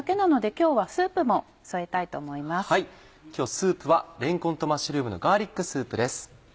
今日はスープはれんこんとマッシュルームのガーリックスープです。